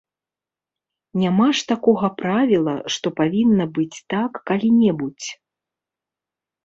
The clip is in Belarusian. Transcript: Няма ж такога правіла, што павінна быць так калі-небудзь.